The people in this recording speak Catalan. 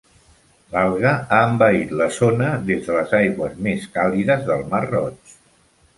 L'alga ha envaït la zona des de les aigües més càlides del mar Roig.